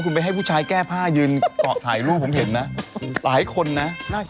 คุณไปให้ผู้ชายแก้ผ้ายืนเกาะถ่ายรูปผมเห็นนะหลายคนนะน่าจะ